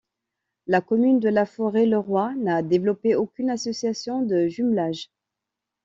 La commune de La Forêt-le-Roi n'a développé aucune association de jumelage.